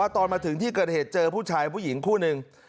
ตอนมาถึงที่เกิดเหตุเจอผู้ชายผู้หญิงคู่หนึ่ง